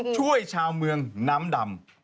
ช่วยชาวเมืองนำดำ